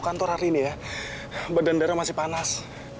dara badannya masih panas